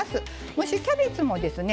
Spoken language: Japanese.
蒸しキャベツもですね